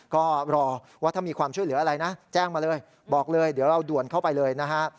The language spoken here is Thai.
ก็รอว่าถ้ามีความช่วยเหลืออะไรนะแจ้งมาเลยบอกเลยเดี๋ยวเราด่วนเข้าไปเลยนะฮะ